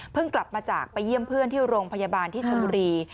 กลับมาจากไปเยี่ยมเพื่อนที่โรงพยาบาลที่ชนบุรี